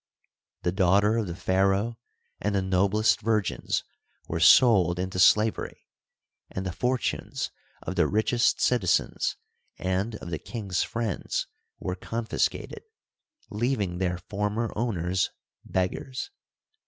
The daughter of the pharaoh and the noblest virgins were sold into slavery, and the fortunes of the richest citizens and of the king's friends were confis cated, leaving their former owners beggars.